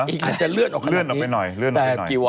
อาจจะเลื่อนออกไปหน่อยแต่ปีวัน